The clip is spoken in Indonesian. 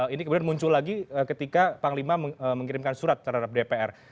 ini kemudian muncul lagi ketika panglima mengirimkan surat terhadap dpr